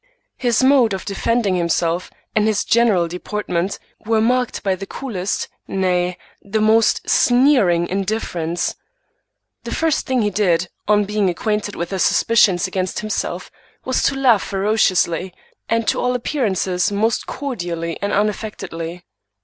His mode of defending himself, and his general deportment, were marked by the coolest, nay, the most sneering indifference. The first thing he did, on being acquainted with the suspicions against him self, was to laugh ferociously, and to all appearance most cordially and unaffectedly.